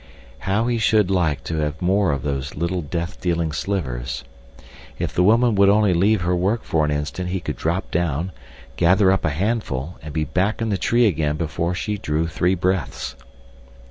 How he should like to have more of those little death dealing slivers. If the woman would only leave her work for an instant he could drop down, gather up a handful, and be back in the tree again before she drew three breaths.